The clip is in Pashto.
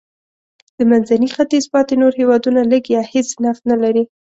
د منځني ختیځ پاتې نور هېوادونه لږ یا هېڅ نفت نه لري.